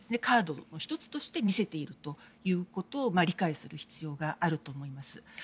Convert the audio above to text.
カードの１つとして見せているということを理解する必要があると思います。